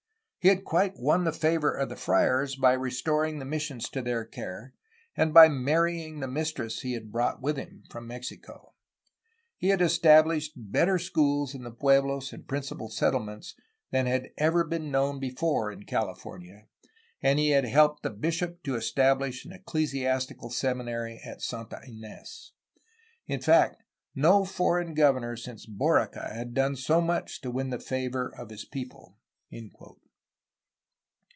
He had quite won the favor of the friars by restoring the missions to their care, and by marrying the mistress he had brought with him from Mexico. He had established better schools in the pueblos and principal settlements than had ever been known before in California, and he had helped the bishop to establish an eccle siastical seminary at Santa Ines. In fact no foreign governor since Borica had done so much to win the favor of his people."